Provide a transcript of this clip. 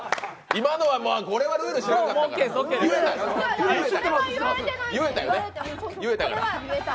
今のはルール知らんかったから。